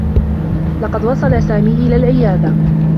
لقد وصل سامي إلى العيادة.